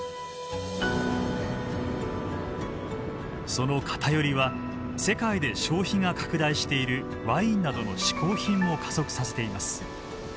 その偏りは世界で消費が拡大しているワインなどの嗜好品も加速させています。